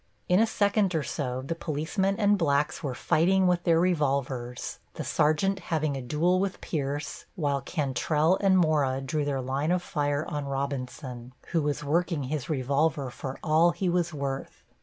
In a second or so the policemen and blacks were fighting with their revolvers, the sergeant having a duel with Pierce, while Cantrell and Mora drew their line of fire on Robinson, who was working his revolver for all he was worth.